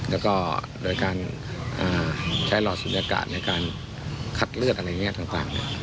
และก็โดยการใช้รอไซด์สุดยากาศในการคัดเลือดอะไรของหมอปลา